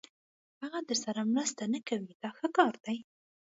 هغه درسره مرسته نه کوي دا ښه کار دی.